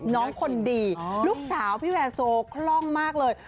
น้องคนดีลูกสาวพี่แวร์โซคล่องมากเลย